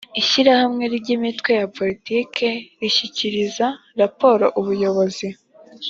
ishyirahamwe ry’imitwe ya politiki rishyikiriza raporo ubuyobozi